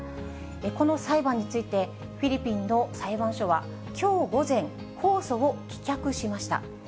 この裁判について、フィリピンの裁判所はきょう午前、控訴を棄却しました。